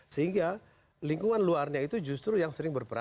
sehingga lingkungan luarnya itu justru yang sering berperan